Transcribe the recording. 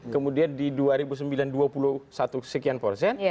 kemudian di dua ribu sembilan dua puluh satu sekian persen